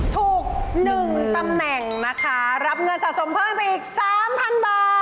ถูก๑ตำแหน่งนะคะรับเงินสะสมเพิ่มไปอีก๓๐๐๐บาท